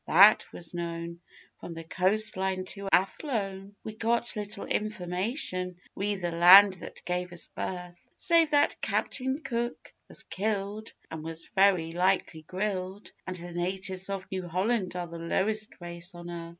that was known from the coast line to Athlone: We got little information re the land that gave us birth; Save that Captain Cook was killed (and was very likely grilled) And 'the natives of New Holland are the lowest race on earth.